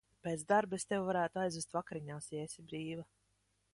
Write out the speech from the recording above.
Pēc darba es tevi varētu aizvest vakariņās, ja esi brīva.